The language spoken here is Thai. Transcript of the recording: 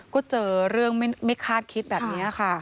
ก็เจอเรื่องไม่คาดคิดแบบนี้ค่ะ